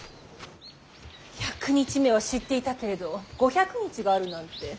百日目は知っていたけれど五百日があるなんて。